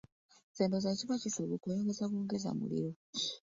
Nze ndowooza bwe kiba kisoboka oyongeza bwongeza muliro.